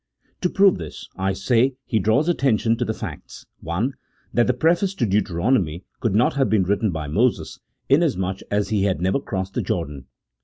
To prove this, I say, he draws attention to the facts — I. That the preface to Deuteronomy could not have been written by Moses, inasmuch as he had never crossed the Jordan.